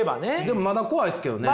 でもまだ怖いっすけどね。